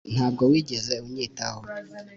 ntabwo wigeze unyitaho.